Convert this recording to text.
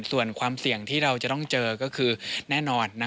ส่วนความเสี่ยงที่เราจะต้องเจอก็คือแน่นอน